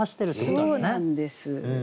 そうなんです。